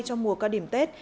trong mùa cao điểm tết